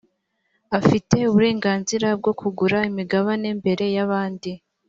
afite uburenganzira bwo kugura imigabane mbere y’abandi .